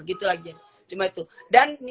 gitu lagi cuma itu dan